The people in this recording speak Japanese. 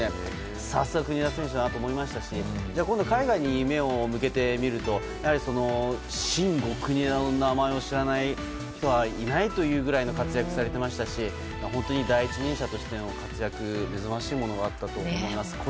さすが国枝選手だなと思いましたし今度、海外に目を向けるとシンゴ・クニエダの名前を知らない人はいないというぐらいの活躍をされていましたし本当に第一人者としての活躍は目覚ましいものがあったと思います。